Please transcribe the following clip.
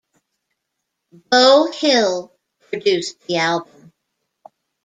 Beau Hill produced the album.